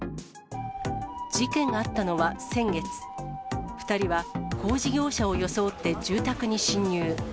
事件があったのは先月、２人は工事業者を装って住宅に侵入。